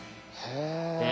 へえ！